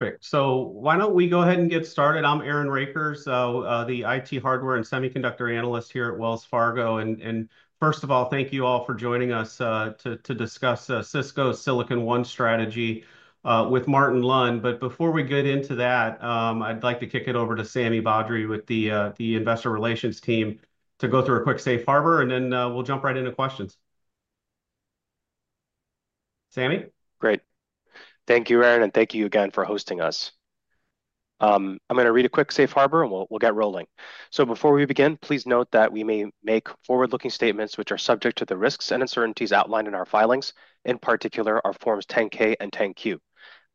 Great. Why don't we go ahead and get started? I'm Aaron Rakers, the IT hardware and semiconductor analyst here at Wells Fargo. First of all, thank you all for joining us to discuss Cisco's Silicon One strategy with Martin Lund. Before we get into that, I'd like to kick it over to Sami Badri with the investor relations team to go through a quick safe harbor, and then we'll jump right into questions. Sami? Great. Thank you, Aaron, and thank you again for hosting us. I'm going to read a quick safe harbor, and we'll get rolling. Before we begin, please note that we may make forward-looking statements which are subject to the risks and uncertainties outlined in our filings, in particular our Forms 10-K and 10-Q.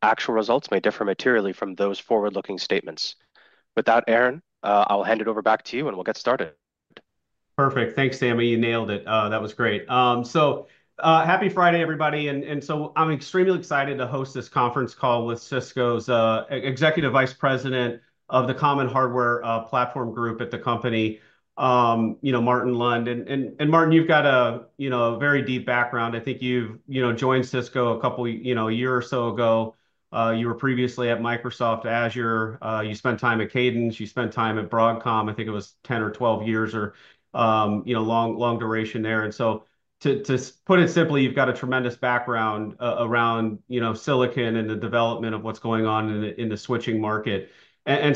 Actual results may differ materially from those forward-looking statements. With that, Aaron, I'll hand it over back to you, and we'll get started. Perfect. Thanks, Sami. You nailed it. That was great. Happy Friday, everybody. I'm extremely excited to host this conference call with Cisco's Executive Vice President of the Common Hardware Platform Group at the company, Martin Lund. Martin, you've got a very deep background. I think you joined Cisco a couple of years or so ago. You were previously at Microsoft Azure. You spent time at Cadence. You spent time at Broadcom. I think it was 10 or 12 years or a long duration there. To put it simply, you've got a tremendous background around silicon and the development of what's going on in the switching market. I'm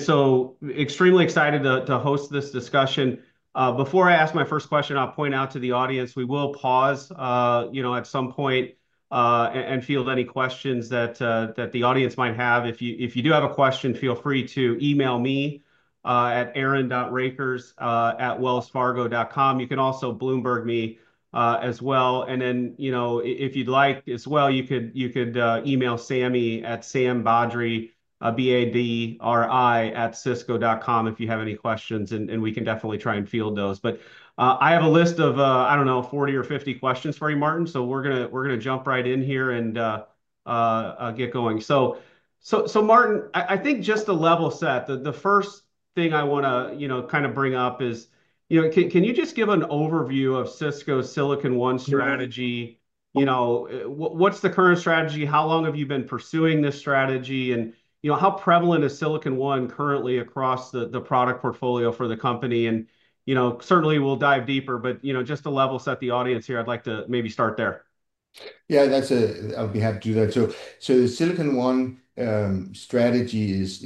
extremely excited to host this discussion. Before I ask my first question, I'll point out to the audience, we will pause at some point and field any questions that the audience might have. If you do have a question, feel free to email me at aaron.rakers@wellsfargo.com. You can also Bloomberg me as well. If you'd like as well, you could email Sami at sambadri, B-A-D-R-I, @cisco.com if you have any questions, and we can definitely try and field those. I have a list of, I do not know, 40 or 50 questions for you, Martin. We are going to jump right in here and get going. Martin, I think just to level set, the first thing I want to kind of bring up is, can you just give an overview of Cisco's Silicon One strategy? What is the current strategy? How long have you been pursuing this strategy? How prevalent is Silicon One currently across the product portfolio for the company? Certainly, we will dive deeper. Just to level set the audience here, I'd like to maybe start there. Yeah, I'd be happy to do that. The Silicon One strategy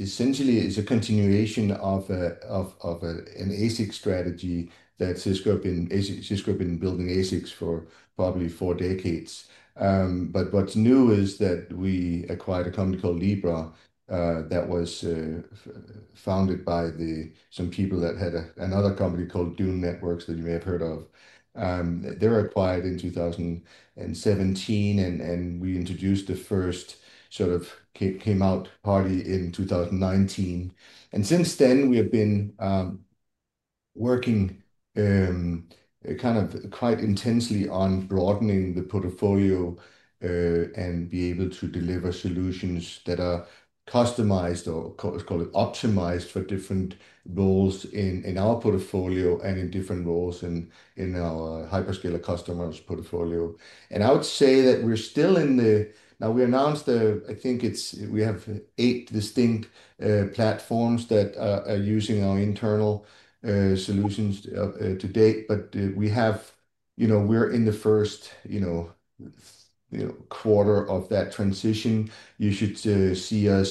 essentially is a continuation of an ASIC strategy that Cisco has been building ASICs for probably four decades. What's new is that we acquired a company called Libra that was founded by some people that had another company called Dune Networks that you may have heard of. They were acquired in 2017, and we introduced the first sort of came-out party in 2019. Since then, we have been working kind of quite intensely on broadening the portfolio and be able to deliver solutions that are customized or optimized for different roles in our portfolio and in different roles in our hyperscaler customers' portfolio. I would say that we're still in the now we announced the I think we have eight distinct platforms that are using our internal solutions to date. We're in the first quarter of that transition. You should see us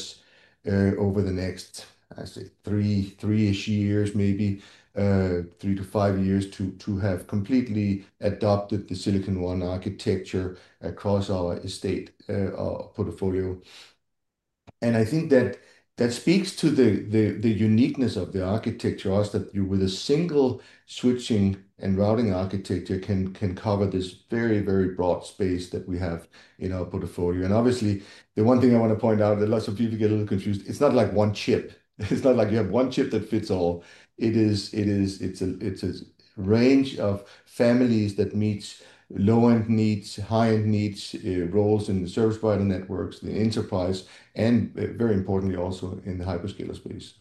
over the next, I'd say, three-ish years, maybe three to five years to have completely adopted the Silicon One architecture across our estate portfolio. I think that speaks to the uniqueness of the architecture, us that with a single switching and routing architecture can cover this very, very broad space that we have in our portfolio. Obviously, the one thing I want to point out, a lot of people get a little confused. It's not like one chip. It's not like you have one chip that fits all. It's a range of families that meets low-end needs, high-end needs, roles in the service provider networks, the enterprise, and very importantly, also in the hyperscaler space.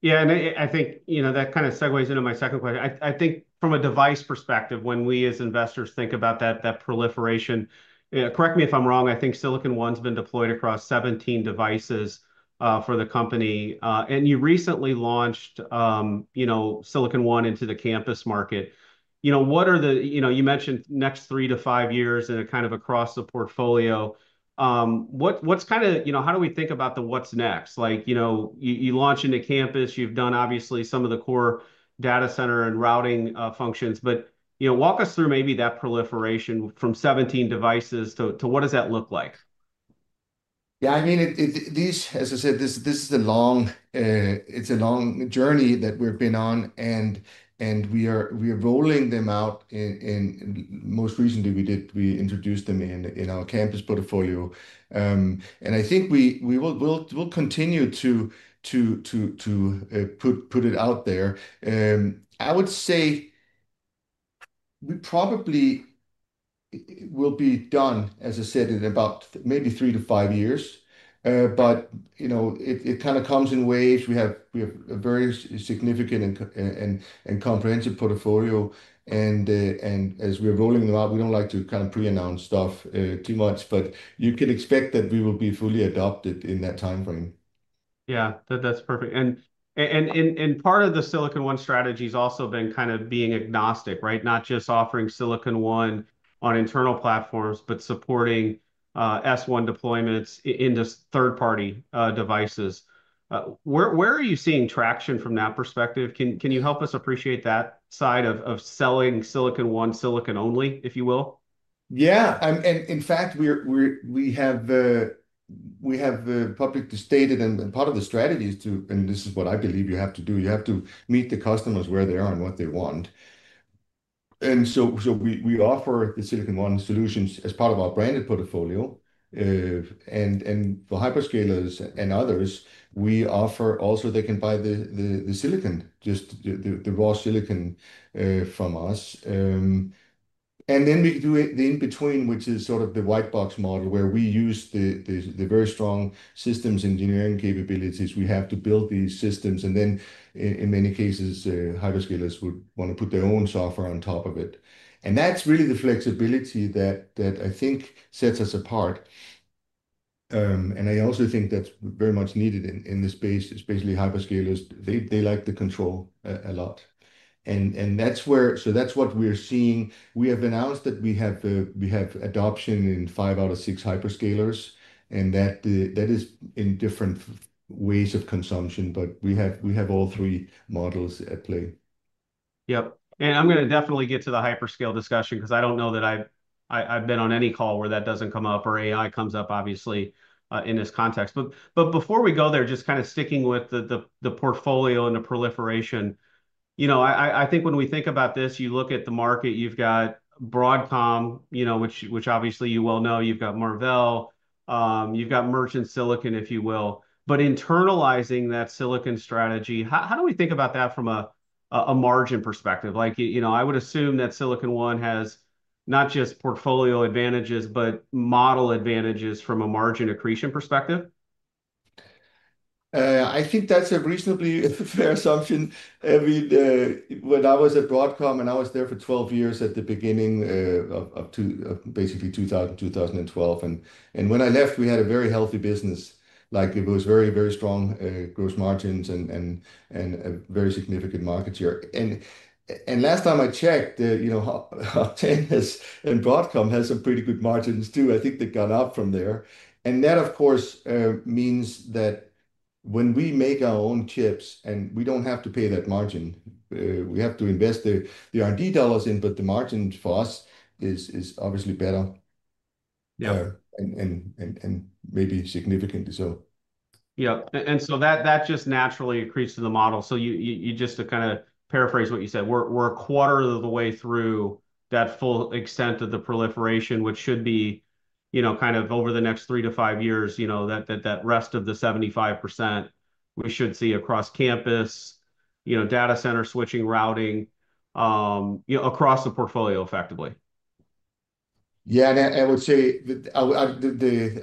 Yeah. I think that kind of segues into my second question. I think from a device perspective, when we as investors think about that proliferation, correct me if I'm wrong, I think Silicon One's been deployed across 17 devices for the company. You recently launched Silicon One into the campus market. What are the you mentioned next three to five years and kind of across the portfolio. What's kind of how do we think about the what's next? You launch into campus. You've done, obviously, some of the core data center and routing functions. Walk us through maybe that proliferation from 17 devices to what does that look like? Yeah. I mean, as I said, this is a long journey that we've been on. We are rolling them out. Most recently, we introduced them in our campus portfolio. I think we will continue to put it out there. I would say we probably will be done, as I said, in about maybe three to five years. It kind of comes in waves. We have a very significant and comprehensive portfolio. As we're rolling them out, we do not like to kind of pre-announce stuff too much. You can expect that we will be fully adopted in that time frame. Yeah. That's perfect. Part of the Silicon One strategy has also been kind of being agnostic, right? Not just offering Silicon One on internal platforms, but supporting S1 deployments into third-party devices. Where are you seeing traction from that perspective? Can you help us appreciate that side of selling Silicon One silicon only, if you will? Yeah. In fact, we have the publicly stated, and part of the strategy is to, and this is what I believe you have to do, you have to meet the customers where they are and what they want. We offer the Silicon One solutions as part of our branded portfolio. For hyperscalers and others, we offer also they can buy the silicon, just the raw silicon from us. We do the in-between, which is sort of the white box model where we use the very strong systems engineering capabilities we have to build these systems. In many cases, hyperscalers would want to put their own software on top of it. That is really the flexibility that I think sets us apart. I also think that is very much needed in this space, especially hyperscalers. They like the control a lot. That is what we are seeing. We have announced that we have adoption in five out of six hyperscalers. That is in different ways of consumption. We have all three models at play. Yep. I am going to definitely get to the hyperscale discussion because I do not know that I have been on any call where that does not come up or AI comes up, obviously, in this context. Before we go there, just kind of sticking with the portfolio and the proliferation, I think when we think about this, you look at the market, you have got Broadcom, which obviously you well know. You have got Marvell. You have got Merchant Silicon, if you will. Internalizing that silicon strategy, how do we think about that from a margin perspective? I would assume that Silicon One has not just portfolio advantages, but model advantages from a margin accretion perspective. I think that's a reasonably fair assumption. When I was at Broadcom, and I was there for 12 years at the beginning of basically 2000, 2012. When I left, we had a very healthy business. It was very, very strong gross margins and a very significant market share. Last time I checked, Ted has and Broadcom has some pretty good margins too. I think they've gone up from there. That, of course, means that when we make our own chips, and we do not have to pay that margin, we have to invest the R&D dollars in, but the margin for us is obviously better. Yeah. Maybe significantly so. Yep. And so that just naturally accretes to the model. So just to kind of paraphrase what you said, we're a quarter of the way through that full extent of the proliferation, which should be kind of over the next three to five years, that rest of the 75% we should see across campus, data center switching, routing, across the portfolio effectively. Yeah. I would say I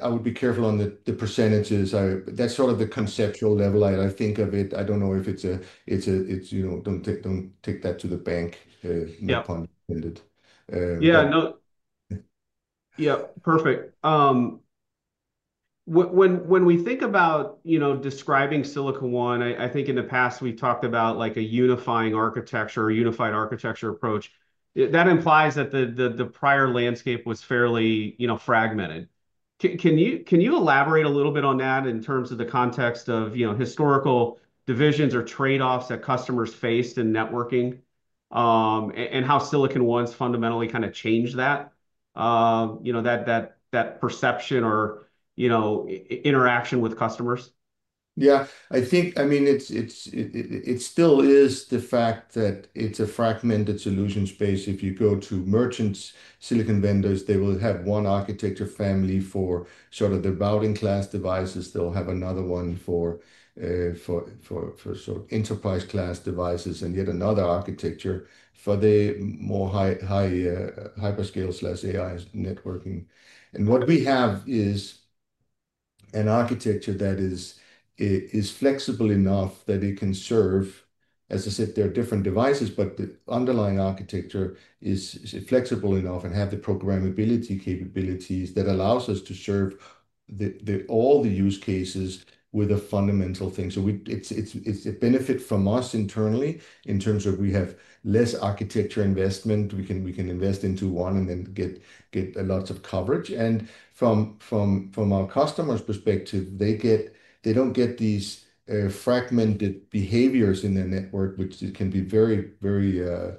would be careful on the percentages. That's sort of the conceptual level. I think of it. I don't know if it's a don't take that to the bank. Yeah. No. Yeah. Perfect. When we think about describing Silicon One, I think in the past we talked about a unifying architecture or unified architecture approach. That implies that the prior landscape was fairly fragmented. Can you elaborate a little bit on that in terms of the context of historical divisions or trade-offs that customers faced in networking and how Silicon One's fundamentally kind of changed that perception or interaction with customers? Yeah. I mean, it still is the fact that it's a fragmented solution space. If you go to merchant silicon vendors, they will have one architecture family for sort of the routing class devices. They'll have another one for sort of enterprise-class devices and yet another architecture for the more high hyperscale/AI networking. What we have is an architecture that is flexible enough that it can serve, as I said, there are different devices, but the underlying architecture is flexible enough and has the programmability capabilities that allow us to serve all the use cases with a fundamental thing. It is a benefit for us internally in terms of we have less architecture investment. We can invest into one and then get lots of coverage. From our customers' perspective, they do not get these fragmented behaviors in their network, which can be very, very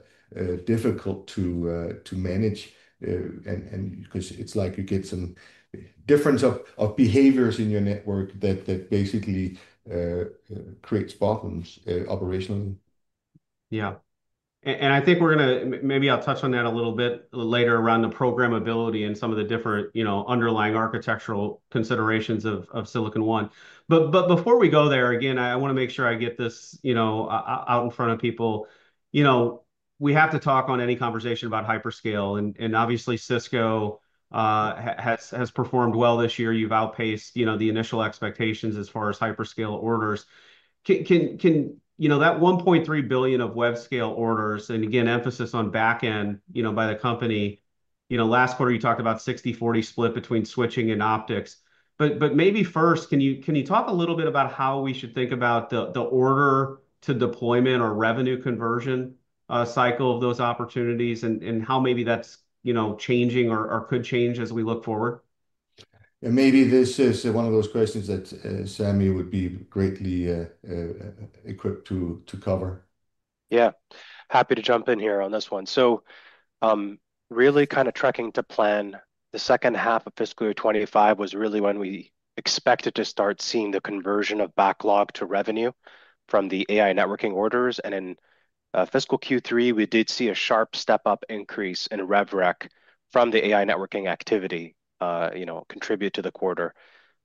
difficult to manage. Because it's like you get some difference of behaviors in your network that basically creates problems operationally. Yeah. I think we're going to maybe I'll touch on that a little bit later around the programmability and some of the different underlying architectural considerations of Silicon One. Before we go there, again, I want to make sure I get this out in front of people. We have to talk on any conversation about hyperscale. Obviously, Cisco has performed well this year. You've outpaced the initial expectations as far as hyperscale orders. That $1.3 billion of web scale orders, and again, emphasis on backend by the company. Last quarter, you talked about 60/40 split between switching and optics. Maybe first, can you talk a little bit about how we should think about the order to deployment or revenue conversion cycle of those opportunities and how maybe that's changing or could change as we look forward? Maybe this is one of those questions that Sami would be greatly equipped to cover. Yeah. Happy to jump in here on this one. So really kind of trekking to plan, the second half of fiscal year 2025 was really when we expected to start seeing the conversion of backlog to revenue from the AI networking orders. In fiscal Q3, we did see a sharp step-up increase in rev rec from the AI networking activity contribute to the quarter.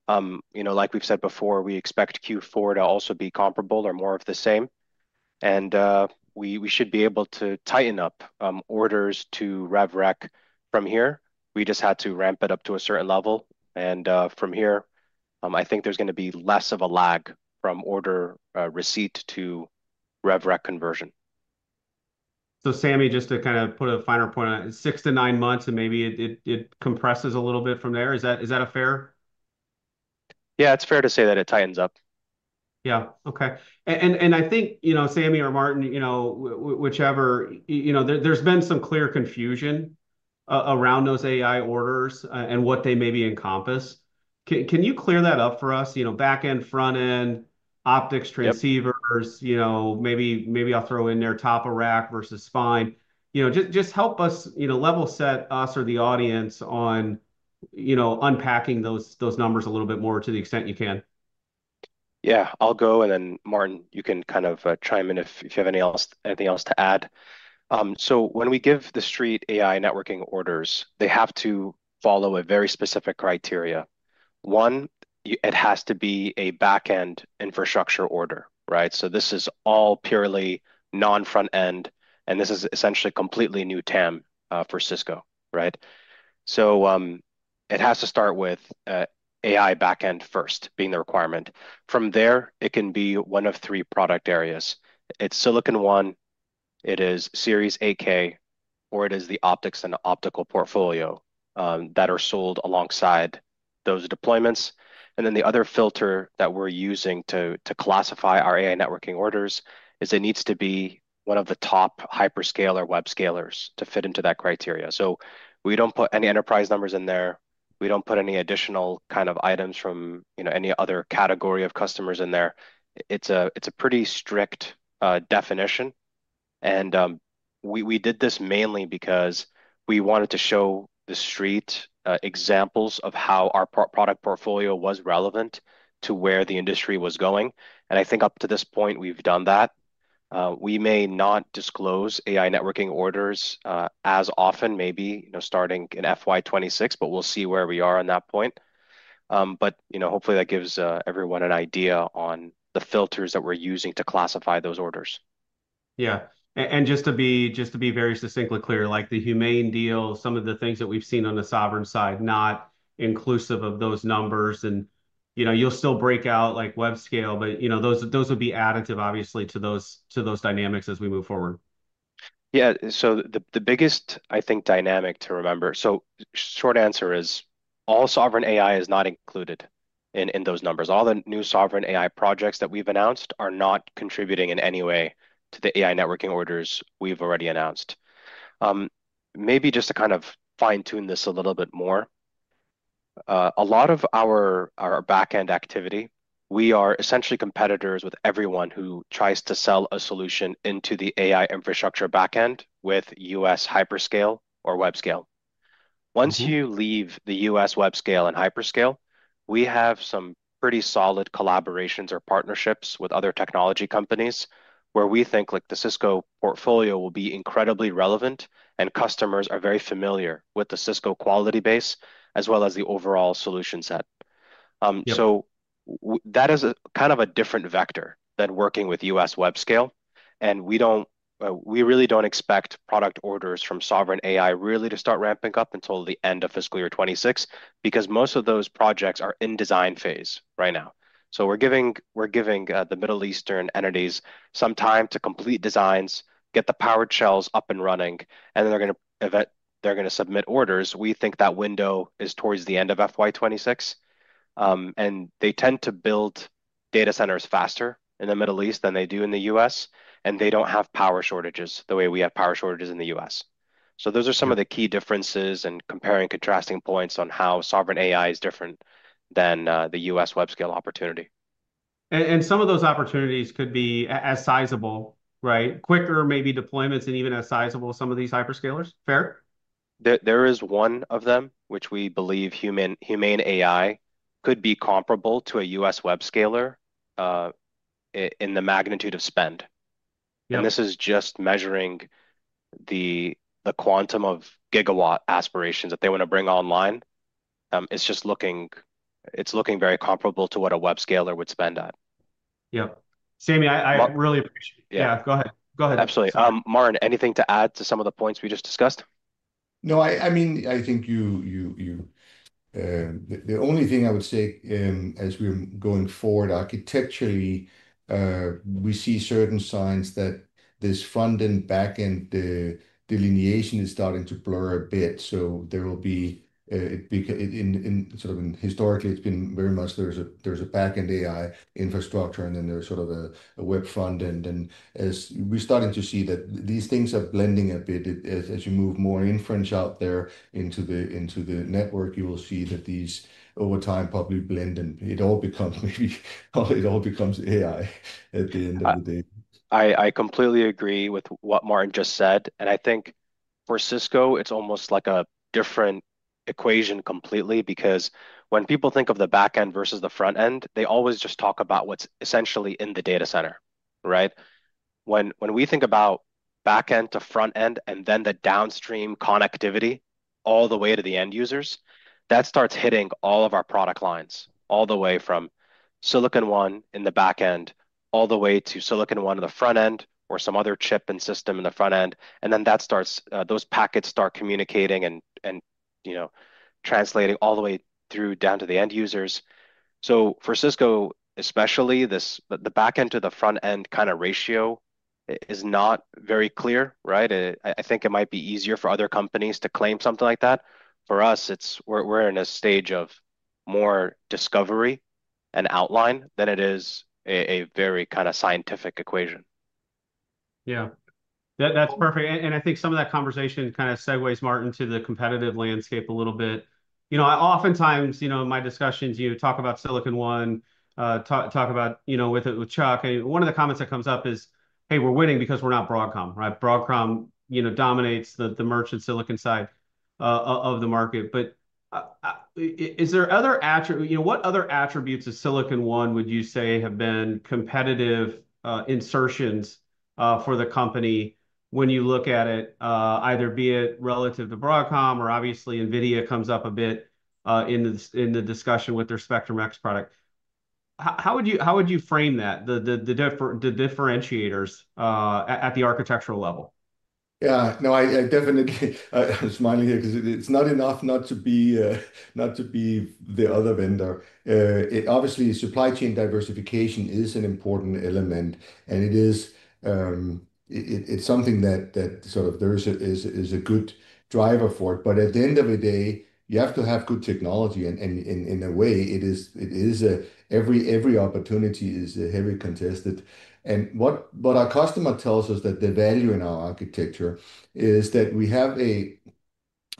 Like we've said before, we expect Q4 to also be comparable or more of the same. We should be able to tighten up orders to rev rec from here. We just had to ramp it up to a certain level. From here, I think there's going to be less of a lag from order receipt to rev rec conversion. Sami, just to kind of put a finer point on it, six to nine months, and maybe it compresses a little bit from there. Is that fair? Yeah. It's fair to say that it tightens up. Yeah. Okay. I think, Sami, or Martin, whichever, there's been some clear confusion around those AI orders and what they maybe encompass. Can you clear that up for us? Backend, frontend, optics, transceivers, maybe I'll throw in there top of rack versus spine. Just help us level set us or the audience on unpacking those numbers a little bit more to the extent you can. Yeah. I'll go. And then, Martin, you can kind of chime in if you have anything else to add. When we give the street AI networking orders, they have to follow a very specific criteria. One, it has to be a backend infrastructure order, right? This is all purely non-frontend. This is essentially completely new TAM for Cisco, right? It has to start with AI backend first being the requirement. From there, it can be one of three product areas. It's Silicon One, it is Series AK, or it is the optics and optical portfolio that are sold alongside those deployments. The other filter that we're using to classify our AI networking orders is it needs to be one of the top hyperscaler web scalers to fit into that criteria. We do not put any enterprise numbers in there. We don't put any additional kind of items from any other category of customers in there. It's a pretty strict definition. We did this mainly because we wanted to show the street examples of how our product portfolio was relevant to where the industry was going. I think up to this point, we've done that. We may not disclose AI networking orders as often, maybe starting in FY2026, but we'll see where we are on that point. Hopefully, that gives everyone an idea on the filters that we're using to classify those orders. Yeah. Just to be very succinctly clear, like the HUMAIN deal, some of the things that we've seen on the sovereign side, not inclusive of those numbers. You'll still break out like web scale, but those would be additive, obviously, to those dynamics as we move forward. Yeah. The biggest, I think, dynamic to remember, short answer is all sovereign AI is not included in those numbers. All the new sovereign AI projects that we have announced are not contributing in any way to the AI networking orders we have already announced. Maybe just to kind of fine-tune this a little bit more, a lot of our backend activity, we are essentially competitors with everyone who tries to sell a solution into the AI infrastructure backend with U.S. hyperscale or web scale. Once you leave the U.S. web scale and hyperscale, we have some pretty solid collaborations or partnerships with other technology companies where we think the Cisco portfolio will be incredibly relevant, and customers are very familiar with the Cisco quality base as well as the overall solution set. That is kind of a different vector than working with U.S. web scale. We really don't expect product orders from sovereign AI really to start ramping up until the end of fiscal year 2026 because most of those projects are in design phase right now. We're giving the Middle Eastern entities some time to complete designs, get the powered shells up and running, and then they're going to submit orders. We think that window is towards the end of FY2026. They tend to build data centers faster in the Middle East than they do in the U.S., and they don't have power shortages the way we have power shortages in the U.S. Those are some of the key differences and comparing and contrasting points on how sovereign AI is different than the U.S. web scale opportunity. Some of those opportunities could be as sizable, right? Quicker, maybe deployments, and even as sizable as some of these hyperscalers. Fair? There is one of them, which we believe HUMAIN AI could be comparable to a U.S. web scaler in the magnitude of spend. This is just measuring the quantum of gigawatt aspirations that they want to bring online. It is looking very comparable to what a web scaler would spend at. Yep. Sami, I really appreciate it. Yeah. Go ahead. Go ahead. Absolutely. Martin, anything to add to some of the points we just discussed? No. I mean, I think the only thing I would say as we're going forward architecturally, we see certain signs that this frontend backend delineation is starting to blur a bit. There will be sort of historically, it's been very much there's a backend AI infrastructure, and then there's sort of a web frontend. We're starting to see that these things are blending a bit. As you move more inference out there into the network, you will see that these over time probably blend, and it all becomes, maybe it all becomes AI at the end of the day. I completely agree with what Martin just said. I think for Cisco, it's almost like a different equation completely because when people think of the backend versus the frontend, they always just talk about what's essentially in the data center, right? When we think about backend to frontend and then the downstream connectivity all the way to the end users, that starts hitting all of our product lines all the way from Silicon One in the backend all the way to Silicon One in the frontend or some other chip and system in the frontend. Then those packets start communicating and translating all the way through down to the end users. For Cisco especially, the backend to the frontend kind of ratio is not very clear, right? I think it might be easier for other companies to claim something like that. For us, we're in a stage of more discovery and outline than it is a very kind of scientific equation. Yeah. That's perfect. I think some of that conversation kind of segues, Martin, to the competitive landscape a little bit. Oftentimes, in my discussions, you talk about Silicon One, talk about with Chuck. One of the comments that comes up is, "Hey, we're winning because we're not Broadcom," right? Broadcom dominates the merchant silicon side of the market. Is there other, what other attributes of Silicon One would you say have been competitive insertions for the company when you look at it, either be it relative to Broadcom or obviously NVIDIA comes up a bit in the discussion with their Spectrum X product? How would you frame that, the differentiators at the architectural level? Yeah. No, I definitely was smiling here because it's not enough not to be the other vendor. Obviously, supply chain diversification is an important element. It's something that, sort of, there is a good driver for it. At the end of the day, you have to have good technology. In a way, every opportunity is heavily contested. What our customer tells us is that the value in our architecture is that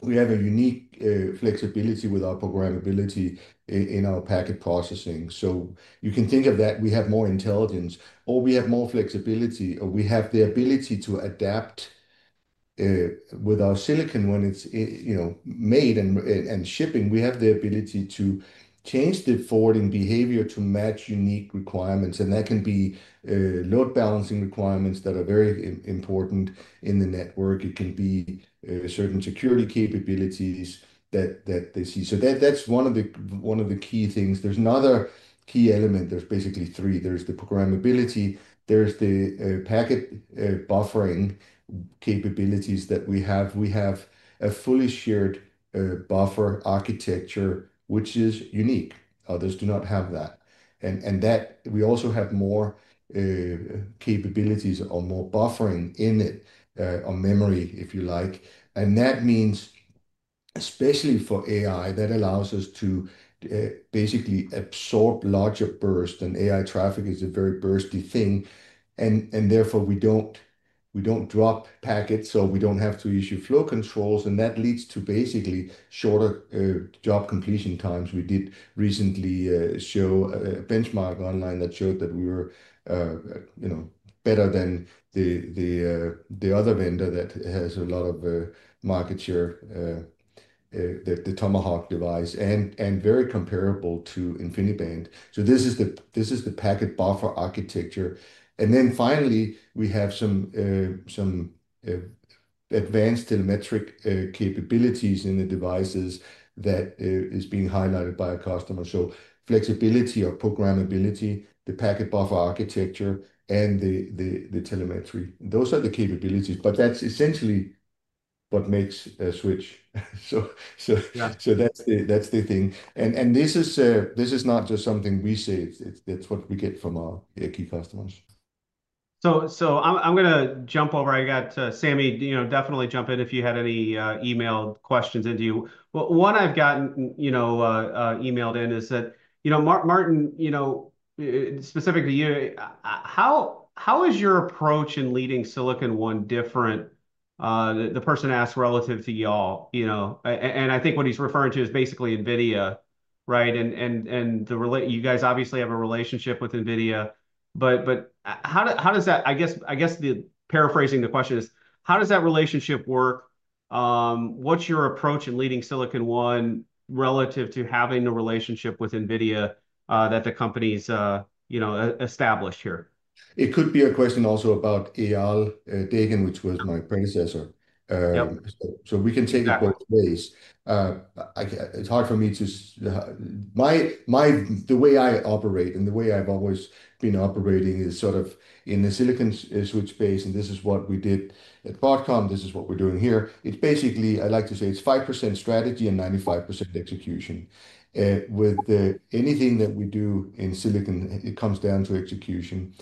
we have a unique flexibility with our programmability in our packet processing. You can think of that as we have more intelligence, or we have more flexibility, or we have the ability to adapt with our silicon when it's made and shipping. We have the ability to change the forwarding behavior to match unique requirements. That can be load balancing requirements that are very important in the network. It can be certain security capabilities that they see. That is one of the key things. There is another key element. There are basically three. There is the programmability. There are the packet buffering capabilities that we have. We have a fully shared buffer architecture, which is unique. Others do not have that. We also have more capabilities or more buffering in it, or memory, if you like. That means, especially for AI, that allows us to basically absorb larger bursts. AI traffic is a very bursty thing. Therefore, we do not drop packets, so we do not have to issue flow controls. That leads to basically shorter job completion times. We did recently show a benchmark online that showed that we were better than the other vendor that has a lot of market share, the Tomahawk device, and very comparable to InfiniBand. This is the packet buffer architecture. Finally, we have some advanced telemetric capabilities in the devices that are being highlighted by a customer. Flexibility or programmability, the packet buffer architecture, and the telemetry. Those are the capabilities. That is essentially what makes a switch. That is the thing. This is not just something we say. It is what we get from our key customers. I'm going to jump over. I got Sami, definitely jump in if you had any email questions into you. One I've gotten emailed in is that, "Martin, specifically you, how is your approach in leading Silicon One different?" The person asked relative to y'all. I think what he's referring to is basically NVIDIA, right? You guys obviously have a relationship with NVIDIA. How does that, I guess, paraphrasing the question, how does that relationship work? What's your approach in leading Silicon One relative to having a relationship with NVIDIA that the company's established here? It could be a question also about Eyal Dagan, which was my predecessor. We can take it both ways. It's hard for me to, the way I operate and the way I've always been operating is sort of in the Silicon switch base. This is what we did at Broadcom. This is what we're doing here. It's basically, I like to say, it's 5% strategy and 95% execution. With anything that we do in silicon, it comes down to execution.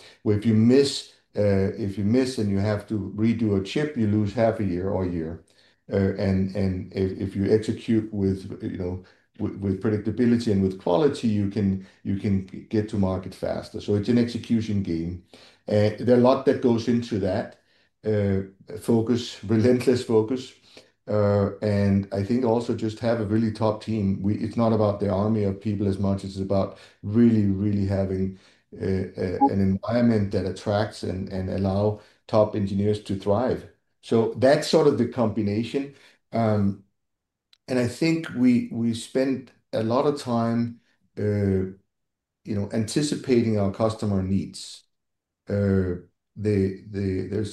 If you miss and you have to redo a chip, you lose half a year or a year. If you execute with predictability and with quality, you can get to market faster. It's an execution game. There's a lot that goes into that, relentless focus. I think also just have a really top team. It's not about the army of people as much. It's about really, really having an environment that attracts and allows top engineers to thrive. That's sort of the combination. I think we spend a lot of time anticipating our customer needs. There's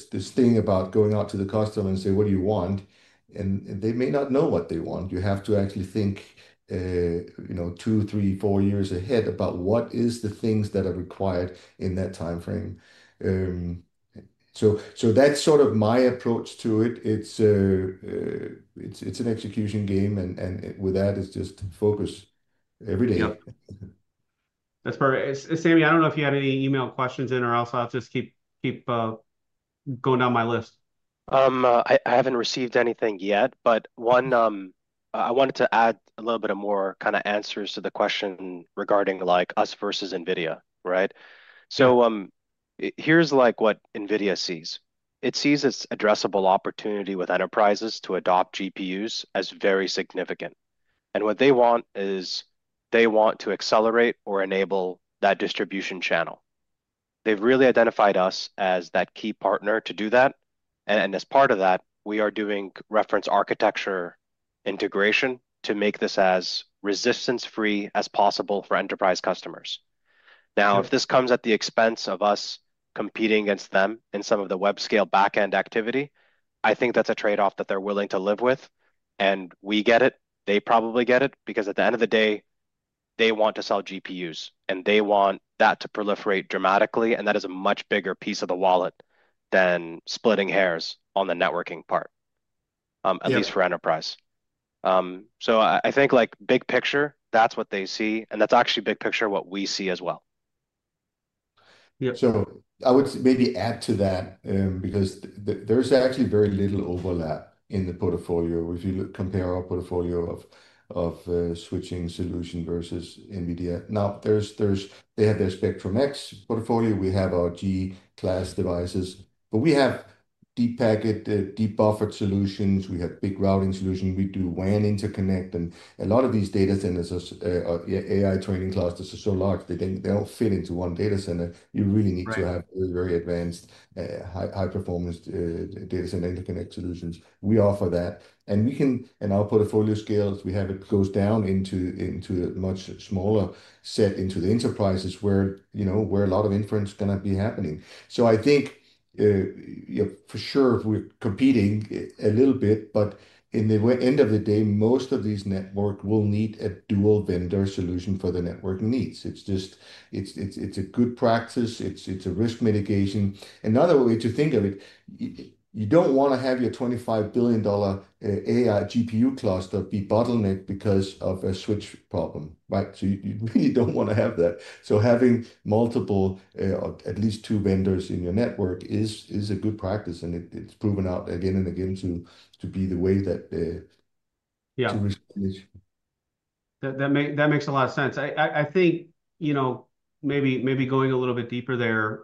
this thing about going out to the customer and saying, "What do you want?" They may not know what they want. You have to actually think two, three, four years ahead about what are the things that are required in that time frame. That's sort of my approach to it. It's an execution game. With that, it's just focus every day. That's perfect. Sami, I don't know if you had any email questions in or else, I'll just keep going down my list. I haven't received anything yet. I wanted to add a little bit more kind of answers to the question regarding us versus NVIDIA, right? Here's what NVIDIA sees. It sees its addressable opportunity with enterprises to adopt GPUs as very significant. What they want is they want to accelerate or enable that distribution channel. They've really identified us as that key partner to do that. As part of that, we are doing reference architecture integration to make this as resistance-free as possible for enterprise customers. If this comes at the expense of us competing against them in some of the web scale backend activity, I think that's a trade-off that they're willing to live with. We get it. They probably get it because at the end of the day, they want to sell GPUs. They want that to proliferate dramatically. That is a much bigger piece of the wallet than splitting hairs on the networking part, at least for enterprise. I think big picture, that's what they see. That's actually big picture what we see as well. I would maybe add to that because there's actually very little overlap in the portfolio if you compare our portfolio of switching solution versus NVIDIA. Now, they have their Spectrum X portfolio. We have our G-class devices. We have deep packet, deep buffered solutions. We have big routing solutions. We do WAN interconnect. A lot of these data centers or AI training clusters are so large, they don't fit into one data center. You really need to have very advanced, high-performance data center interconnect solutions. We offer that. Our portfolio scales, it goes down into a much smaller set into the enterprises where a lot of inference is going to be happening. I think for sure, we're competing a little bit. In the end of the day, most of these networks will need a dual vendor solution for the networking needs. It's a good practice. It's a risk mitigation. Another way to think of it, you don't want to have your $25 billion AI GPU cluster be bottlenecked because of a switch problem, right? You really don't want to have that. Having multiple, at least two vendors in your network is a good practice. It's proven out again and again to be the way that. Yeah. That makes a lot of sense. I think maybe going a little bit deeper there.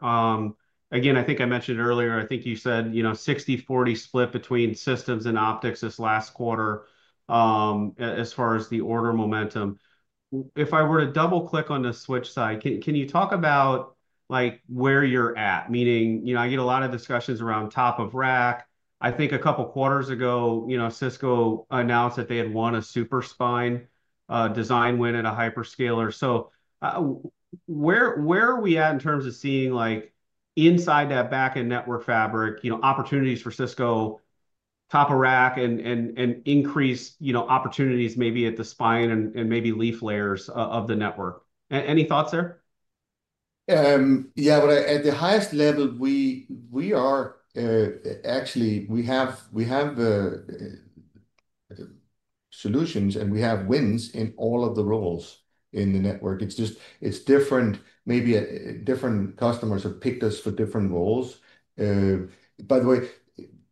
Again, I think I mentioned earlier, I think you said 60/40 split between systems and optics this last quarter as far as the order momentum. If I were to double-click on the switch side, can you talk about where you're at? Meaning, I get a lot of discussions around top of rack. I think a couple of quarters ago, Cisco announced that they had won a Super-Spine design win at a hyperscaler. So where are we at in terms of seeing inside that backend network fabric opportunities for Cisco top of rack and increase opportunities maybe at the spine and maybe leaf layers of the network? Any thoughts there? Yeah. At the highest level, actually, we have solutions, and we have wins in all of the roles in the network. It's different. Maybe different customers have picked us for different roles. By the way,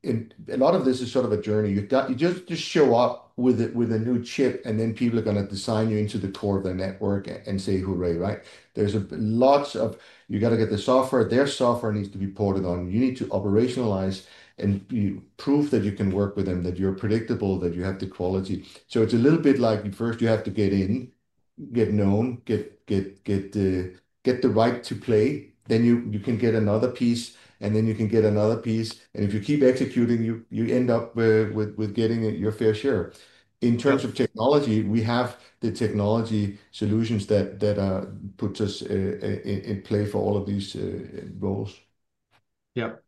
a lot of this is sort of a journey. You do not just show up with a new chip, and then people are going to design you into the core of the network and say, "Hooray," right? There is lots of you got to get the software. Their software needs to be ported on. You need to operationalize and prove that you can work with them, that you are predictable, that you have the quality. It is a little bit like first you have to get in, get known, get the right to play. Then you can get another piece, and then you can get another piece. If you keep executing, you end up with getting your fair share. In terms of technology, we have the technology solutions that put us in play for all of these roles. Yep.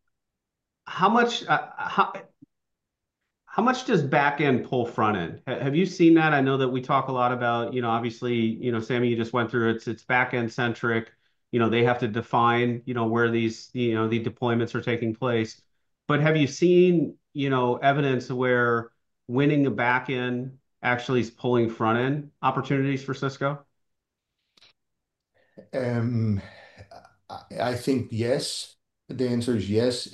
How much does backend pull frontend? Have you seen that? I know that we talk a lot about, obviously, Sami, you just went through it. It's backend-centric. They have to define where the deployments are taking place. Have you seen evidence where winning the backend actually is pulling frontend opportunities for Cisco? I think yes. The answer is yes.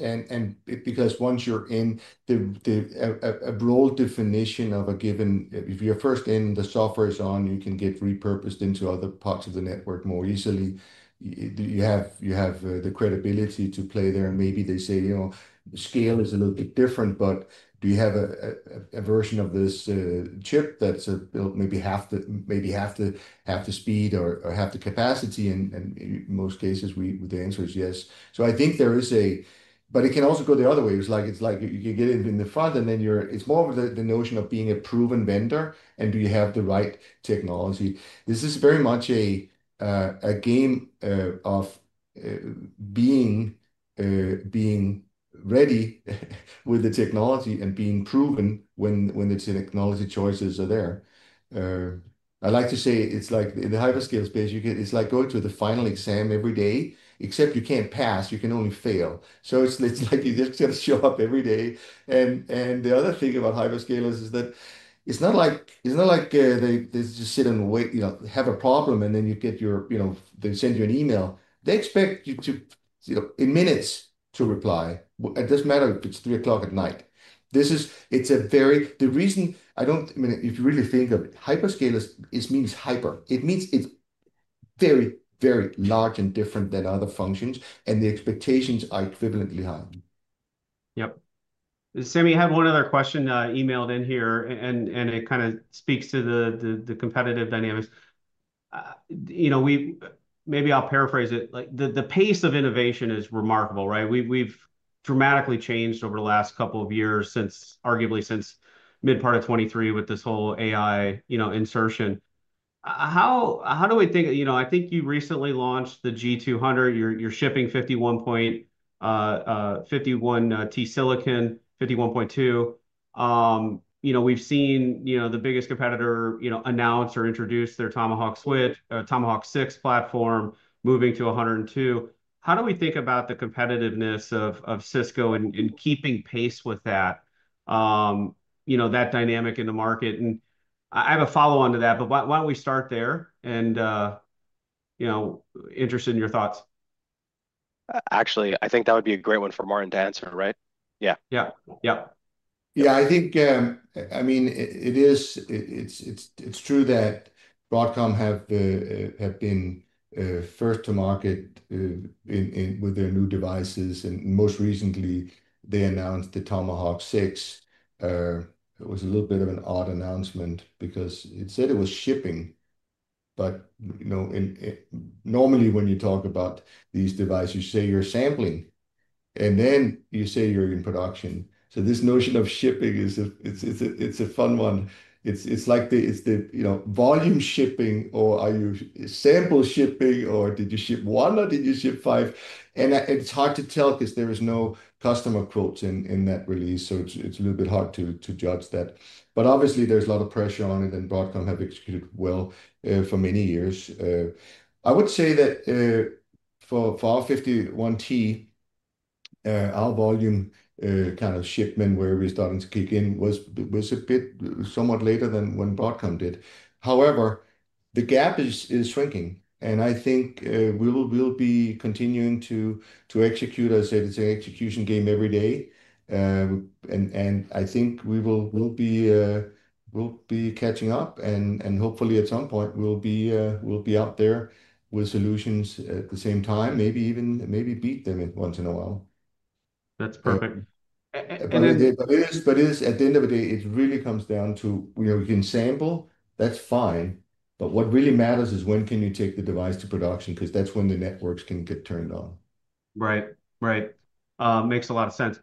Because once you're in a broad definition of a given, if you're first in, the software is on. You can get repurposed into other parts of the network more easily. You have the credibility to play there. Maybe they say, "Scale is a little bit different." Do you have a version of this chip that's maybe half the speed or half the capacity? In most cases, the answer is yes. I think there is a but it can also go the other way. You can get in the front, and then it's more of the notion of being a proven vendor. Do you have the right technology? This is very much a game of being ready with the technology and being proven when the technology choices are there. I like to say it's like in the hyperscale space, it's like going to the final exam every day, except you can't pass. You can only fail. It's like you just got to show up every day. The other thing about hyperscalers is that it's not like they just sit and wait. You have a problem, and then they send you an email. They expect you to, in minutes, to reply. It doesn't matter if it's 3:00 o'clock at night. It's a very, the reason I don't, I mean, if you really think of it, hyperscalers, it means hyper. It means it's very, very large and different than other functions. The expectations are equivalently high. Yep. Sami, I have one other question emailed in here, and it kind of speaks to the competitive dynamics. Maybe I'll paraphrase it. The pace of innovation is remarkable, right? We've dramatically changed over the last couple of years, arguably since mid-part of 2023 with this whole AI insertion. How do we think, I think you recently launched the G200. You're shipping 51.2T Silicon. We've seen the biggest competitor announce or introduce their Tomahawk 6 platform moving to 102. How do we think about the competitiveness of Cisco in keeping pace with that dynamic in the market? I have a follow-on to that. Why don't we start there? Interested in your thoughts. Actually, I think that would be a great one for Martin to answer, right? Yeah. Yeah. Yeah. Yeah. I think, I mean, it's true that Broadcom have been first to market with their new devices. And most recently, they announced the Tomahawk 6. It was a little bit of an odd announcement because it said it was shipping. But normally, when you talk about these devices, you say you're sampling. And then you say you're in production. So this notion of shipping, it's a fun one. It's like the volume shipping or are you sample shipping or did you ship one or did you ship five? And it's hard to tell because there are no customer quotes in that release. So it's a little bit hard to judge that. But obviously, there's a lot of pressure on it. And Broadcom have executed well for many years. I would say that for our 51T, our volume kind of shipment where we're starting to kick in was a bit somewhat later than when Broadcom did. However, the gap is shrinking. I think we'll be continuing to execute. I said it's an execution game every day. I think we'll be catching up. Hopefully, at some point, we'll be out there with solutions at the same time, maybe even beat them once in a while. That's perfect. It is at the end of the day, it really comes down to you can sample. That's fine. What really matters is when can you take the device to production because that's when the networks can get turned on. Right. Right. Makes a lot of sense.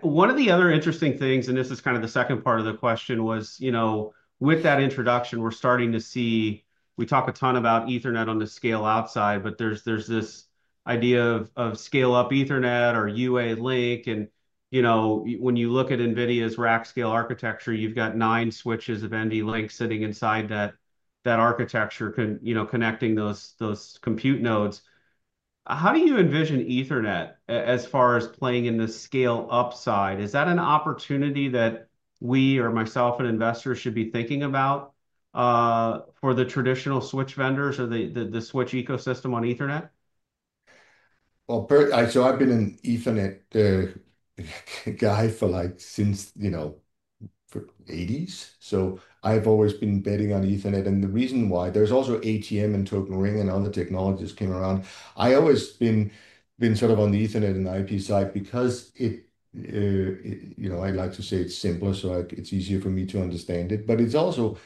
One of the other interesting things, and this is kind of the second part of the question, was with that introduction, we're starting to see we talk a ton about Ethernet on the scale outside. But there's this idea of scale-up Ethernet or UALink. And when you look at NVIDIA's rack scale architecture, you've got nine switches of ND link sitting inside that architecture connecting those compute nodes. How do you envision Ethernet as far as playing in the scale upside? Is that an opportunity that we or myself and investors should be thinking about for the traditional switch vendors or the switch ecosystem on Ethernet? I've been an Ethernet guy since the '80s. I've always been betting on Ethernet. The reason why is there was also ATM and token ring and other technologies that came around. I've always been sort of on the Ethernet and IP side because I like to say it's simpler. It's easier for me to understand it. It has also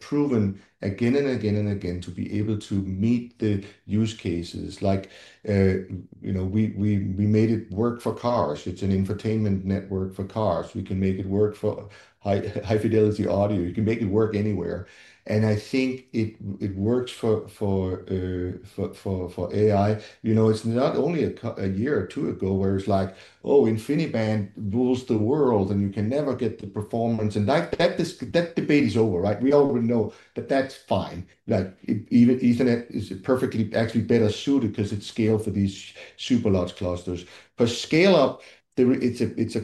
proven again and again and again to be able to meet the use cases. We made it work for cars. It's an infotainment network for cars. We can make it work for high-fidelity audio. You can make it work anywhere. I think it works for AI. It's not only a year or two ago where it's like, "Oh, InfiniBand rules the world, and you can never get the performance." That debate is over, right? We already know that that's fine. Ethernet is perfectly actually better suited because it's scaled for these super large clusters. For scale-up, it's a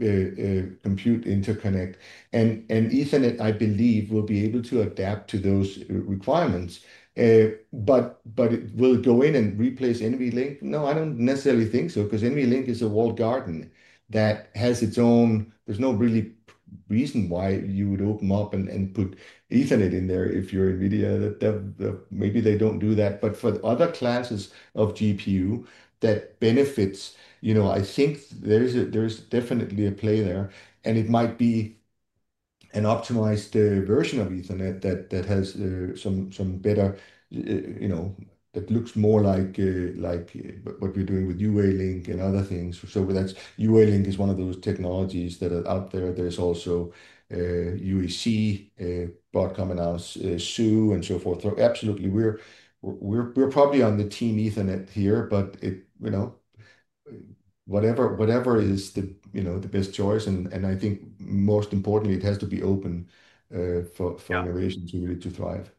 compute interconnect. And Ethernet, I believe, will be able to adapt to those requirements. But it will go in and replace NVLink? No, I don't necessarily think so because NVLink is a walled garden that has its own, there's no really reason why you would open up and put Ethernet in there if you're NVIDIA. Maybe they don't do that. For other classes of GPU that benefits, I think there's definitely a play there. It might be an optimized version of Ethernet that has some better, that looks more like what we're doing with UALink and other things. UALink is one of those technologies that are out there. There's also UAC, Broadcom announced, Su, and so forth. Absolutely. We're probably on the team Ethernet here. Whatever is the best choice. I think most importantly, it has to be open for innovation to really thrive.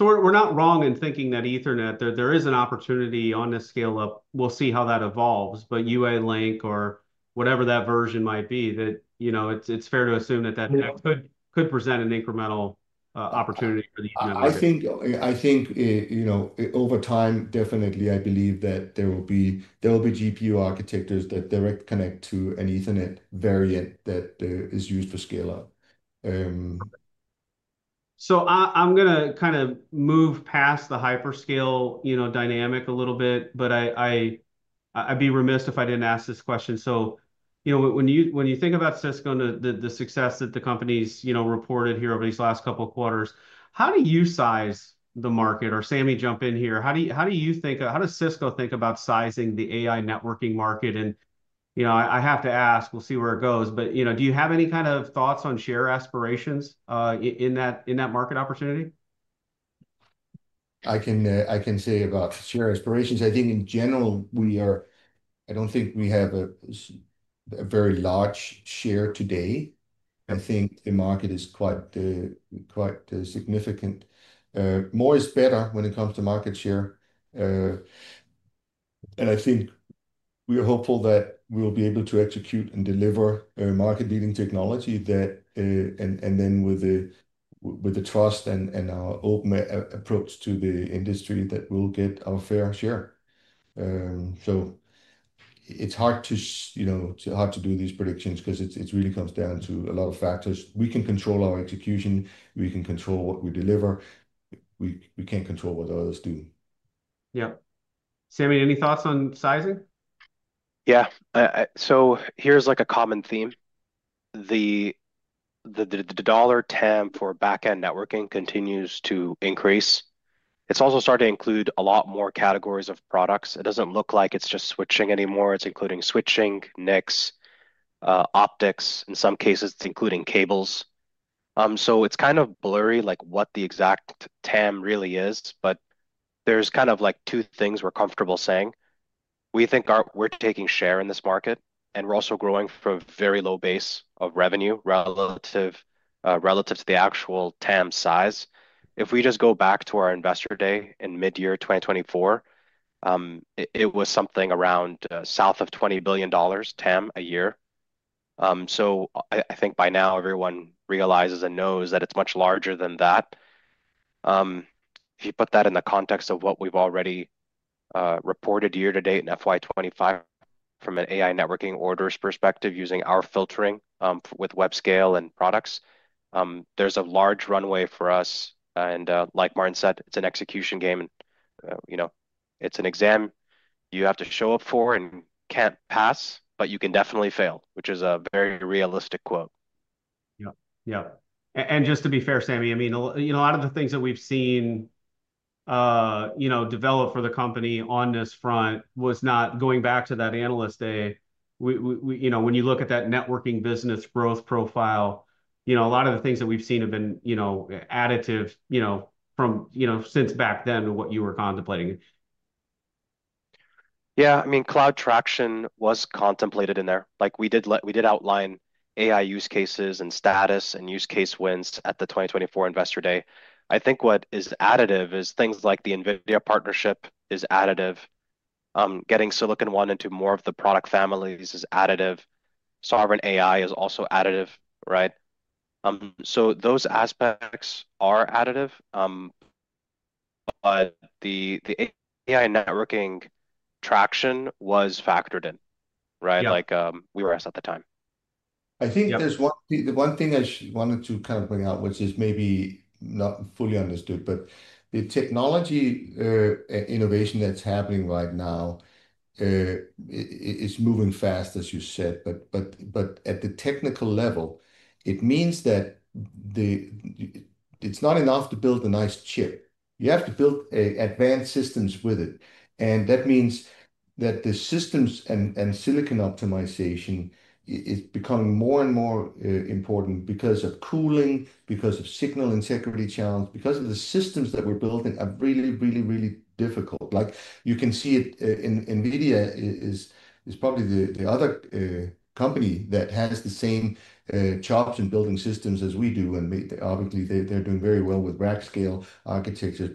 We're not wrong in thinking that Ethernet, there is an opportunity on the scale-up. We'll see how that evolves. UA link or whatever that version might be, it's fair to assume that that could present an incremental opportunity for the. I think over time, definitely, I believe that there will be GPU architectures that direct connect to an Ethernet variant that is used for scale-up. I'm going to kind of move past the hyperscale dynamic a little bit. I'd be remiss if I didn't ask this question. When you think about Cisco and the success that the company's reported here over these last couple of quarters, how do you size the market? Or Sami, jump in here. How do you think, how does Cisco think about sizing the AI networking market? I have to ask. We'll see where it goes. Do you have any kind of thoughts on share aspirations in that market opportunity? I can say about share aspirations. I think in general, we are, I don't think we have a very large share today. I think the market is quite significant. More is better when it comes to market share. I think we're hopeful that we'll be able to execute and deliver market-leading technology that, and then with the trust and our open approach to the industry, that we'll get our fair share. It's hard to do these predictions because it really comes down to a lot of factors. We can control our execution. We can control what we deliver. We can't control what others do. Yep. Sami, any thoughts on sizing? Yeah. So here's a common theme. The dollar TAM for backend networking continues to increase. It's also starting to include a lot more categories of products. It doesn't look like it's just switching anymore. It's including switching, NICs, optics. In some cases, it's including cables. So it's kind of blurry what the exact TAM really is. But there's kind of two things we're comfortable saying. We think we're taking share in this market. And we're also growing from a very low base of revenue relative to the actual TAM size. If we just go back to our investor day in mid-year 2024, it was something around south of $20 billion TAM a year. So I think by now, everyone realizes and knows that it's much larger than that. If you put that in the context of what we've already reported year to date in FY2025 from an AI networking orders perspective using our filtering with web scale and products, there's a large runway for us. Like Martin said, it's an execution game. It's an exam you have to show up for and can't pass, but you can definitely fail, which is a very realistic quote. Yep. Yep. And just to be fair, Sami, I mean, a lot of the things that we've seen develop for the company on this front was not going back to that analyst day. When you look at that networking business growth profile, a lot of the things that we've seen have been additive since back then to what you were contemplating. Yeah. I mean, cloud traction was contemplated in there. We did outline AI use cases and status and use case wins at the 2024 investor day. I think what is additive is things like the NVIDIA partnership is additive. Getting Silicon One into more of the product families is additive. Sovereign AI is also additive, right? Those aspects are additive. The AI networking traction was factored in, right, like we were asked at the time. I think there's one thing I wanted to kind of bring out, which is maybe not fully understood. The technology innovation that's happening right now is moving fast, as you said. At the technical level, it means that it's not enough to build a nice chip. You have to build advanced systems with it. That means that the systems and silicon optimization is becoming more and more important because of cooling, because of signal integrity challenge, because the systems that we're building are really, really, really difficult. You can see it. NVIDIA is probably the other company that has the same chops in building systems as we do. Obviously, they're doing very well with rack scale architectures.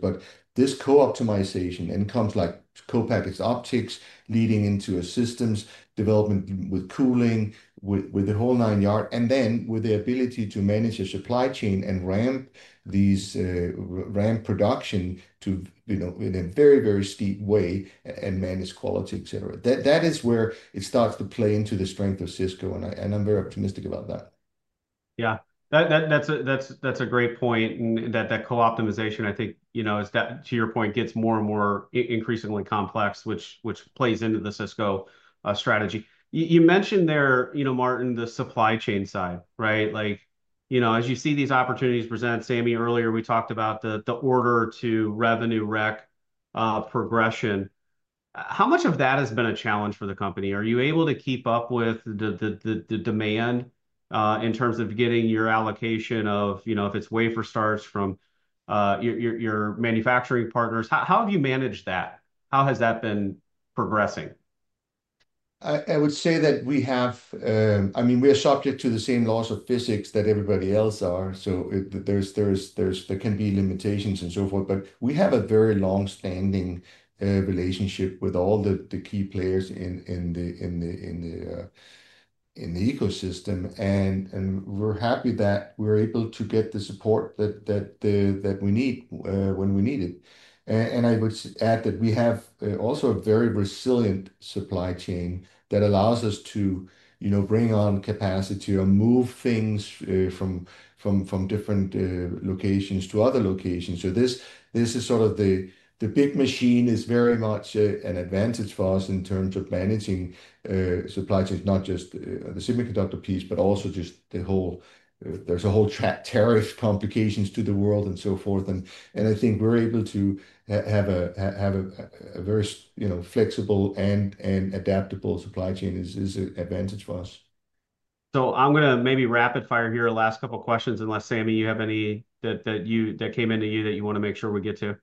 This co-optimization comes like co-packaged optics leading into a systems development with cooling, with the whole nine yards, and then with the ability to manage a supply chain and ramp production in a very, very steep way and manage quality, etc. That is where it starts to play into the strength of Cisco. I am very optimistic about that. Yeah. That's a great point. That co-optimization, I think, to your point, gets more and more increasingly complex, which plays into the Cisco strategy. You mentioned there, Martin, the supply chain side, right? As you see these opportunities present, Sami, earlier, we talked about the order to revenue rec progression. How much of that has been a challenge for the company? Are you able to keep up with the demand in terms of getting your allocation of, if it's wafer starts from your manufacturing partners? How have you managed that? How has that been progressing? I would say that we have, I mean, we are subject to the same laws of physics that everybody else are. There can be limitations and so forth. We have a very long-standing relationship with all the key players in the ecosystem. We are happy that we are able to get the support that we need when we need it. I would add that we have also a very resilient supply chain that allows us to bring on capacity or move things from different locations to other locations. This is sort of the big machine, is very much an advantage for us in terms of managing supply chains, not just the semiconductor piece, but also just the whole, there is a whole terrorist complications to the world and so forth. I think we're able to have a very flexible and adaptable supply chain is an advantage for us. So I'm going to maybe rapid-fire here last couple of questions unless, Sami, you have any that came into you that you want to make sure we get to.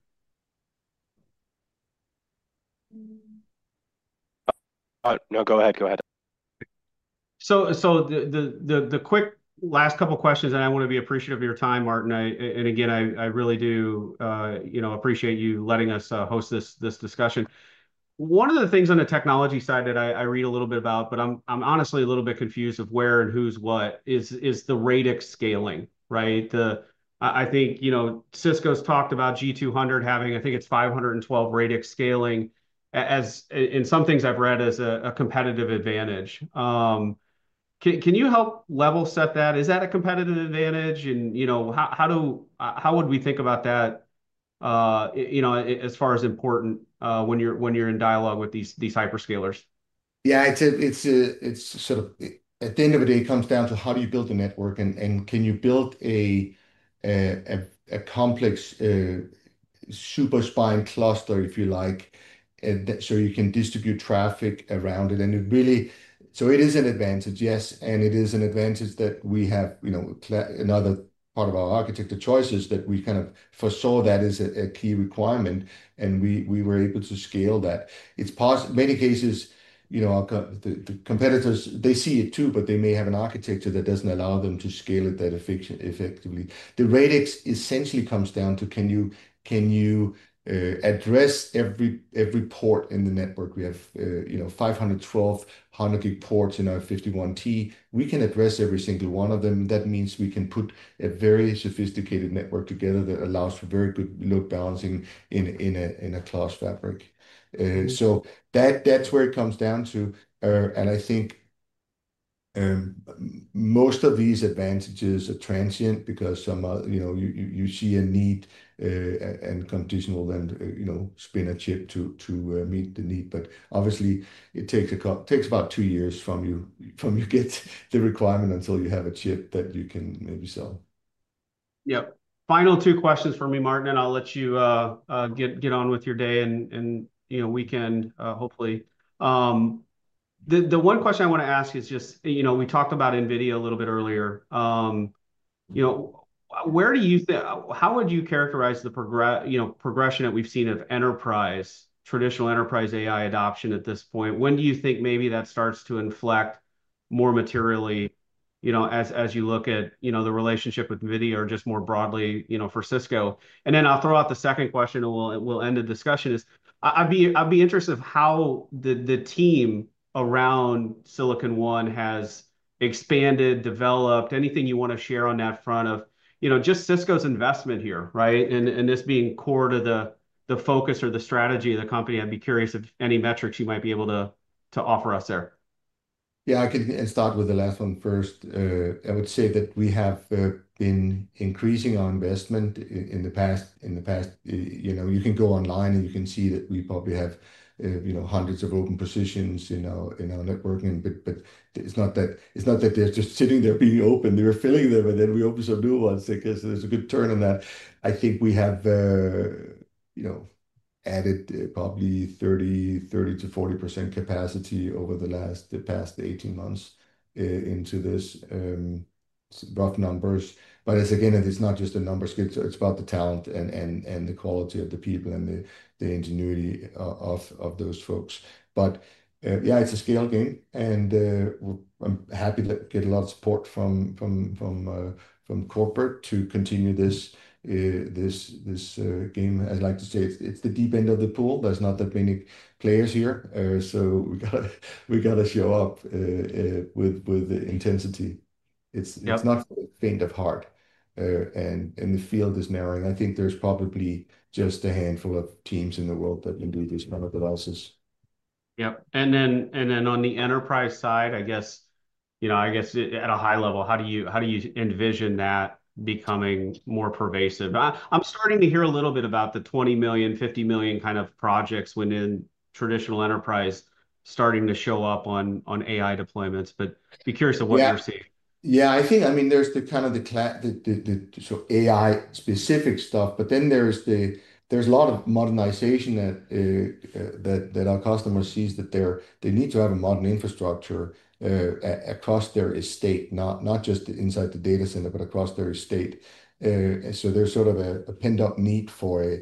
No, go ahead. Go ahead. The quick last couple of questions, and I want to be appreciative of your time, Martin. And again, I really do appreciate you letting us host this discussion. One of the things on the technology side that I read a little bit about, but I'm honestly a little bit confused of where and who's what, is the radix scaling, right? I think Cisco's talked about G200 having, I think it's 512 radix scaling in some things I've read as a competitive advantage. Can you help level set that? Is that a competitive advantage? And how would we think about that as far as important when you're in dialogue with these hyperscalers? Yeah. It's sort of at the end of the day, it comes down to how do you build a network? Can you build a complex super spine cluster, if you like, so you can distribute traffic around it? It is an advantage, yes. It is an advantage that we have another part of our architecture choices that we kind of foresaw that as a key requirement. We were able to scale that. In many cases, the competitors, they see it too, but they may have an architecture that does not allow them to scale it that effectively. The radix essentially comes down to can you address every port in the network? We have 512 100 gig ports in our 51.2T. We can address every single one of them. That means we can put a very sophisticated network together that allows for very good load balancing in a cloud fabric. That is where it comes down to. I think most of these advantages are transient because you see a need and can then spin a chip to meet the need. Obviously, it takes about two years from when you get the requirement until you have a chip that you can maybe sell. Yep. Final two questions for me, Martin. I'll let you get on with your day. We can, hopefully. The one question I want to ask is just we talked about NVIDIA a little bit earlier. Where do you think, how would you characterize the progression that we've seen of traditional enterprise AI adoption at this point? When do you think maybe that starts to inflect more materially as you look at the relationship with NVIDIA or just more broadly for Cisco? I'll throw out the second question. It will end the discussion. I'd be interested in how the team around Silicon One has expanded, developed, anything you want to share on that front of just Cisco's investment here, right, and this being core to the focus or the strategy of the company. I'd be curious if any metrics you might be able to offer us there. Yeah. I can start with the last one first. I would say that we have been increasing our investment in the past. You can go online and you can see that we probably have hundreds of open positions in our networking. But it's not that they're just sitting there being open. They were filling them. And then we open some new ones because there's a good turn on that. I think we have added probably 30%-40% capacity over the past 18 months into this. It's rough numbers. But again, it's not just a numbers skill. It's about the talent and the quality of the people and the ingenuity of those folks. But yeah, it's a scale game. And I'm happy to get a lot of support from corporate to continue this game. As I like to say, it's the deep end of the pool. There's not that many players here. We got to show up with intensity. It's not for the faint of heart. The field is narrowing. I think there's probably just a handful of teams in the world that can do this kind of analysis. Yep. And then on the enterprise side, I guess, I guess at a high level, how do you envision that becoming more pervasive? I'm starting to hear a little bit about the $20 million, $50 million kind of projects when in traditional enterprise starting to show up on AI deployments. But be curious of what you're seeing. Yeah. I think, I mean, there's the kind of the so AI-specific stuff. But then there's a lot of modernization that our customer sees that they need to have a modern infrastructure across their estate, not just inside the data center, but across their estate. So there's sort of a pent-up need for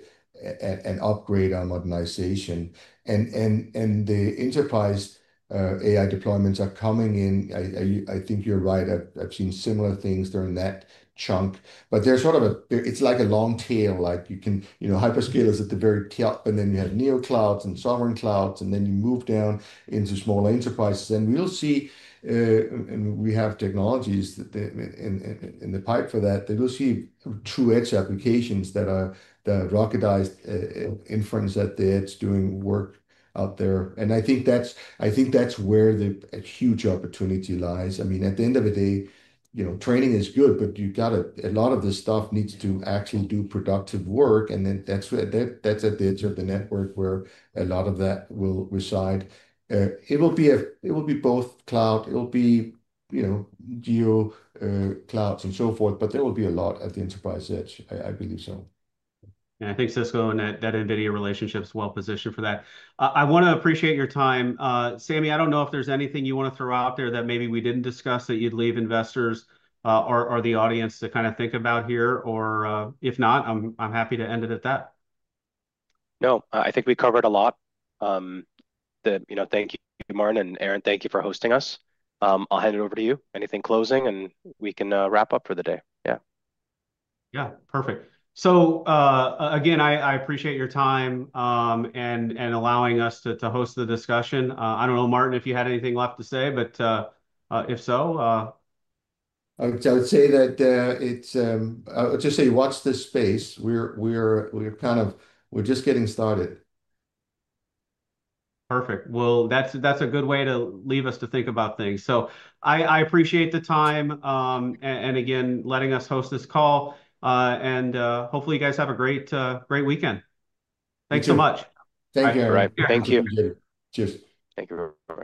an upgrade on modernization. And the enterprise AI deployments are coming in. I think you're right. I've seen similar things during that chunk. But it's like a long tail. Hyperscale is at the very top. And then you have Neo Clouds and Sovereign Clouds. And then you move down into smaller enterprises. And we'll see, and we have technologies in the pipe for that, that we'll see true edge applications that are the rocketized inference at the edge doing work out there. And I think that's where the huge opportunity lies. I mean, at the end of the day, training is good, but a lot of this stuff needs to actually do productive work. That is at the edge of the network where a lot of that will reside. It will be both cloud. It will be geo clouds and so forth. There will be a lot at the enterprise edge, I believe so. Yeah. I think Cisco and that NVIDIA relationship is well positioned for that. I want to appreciate your time. Sami, I do not know if there is anything you want to throw out there that maybe we did not discuss that you would leave investors or the audience to kind of think about here. Or if not, I am happy to end it at that. No. I think we covered a lot. Thank you, Martin. And Aaron, thank you for hosting us. I'll hand it over to you. Anything closing, and we can wrap up for the day. Yeah. Yeah. Perfect. Again, I appreciate your time and allowing us to host the discussion. I do not know, Martin, if you had anything left to say, but if so. I would say that it's, I'll just say, watch this space. We're kind of just getting started. Perfect. That is a good way to leave us to think about things. I appreciate the time and again, letting us host this call. Hopefully, you guys have a great weekend. Thanks so much. Thank you. All right. Thank you. Cheers. Thank you, everybody.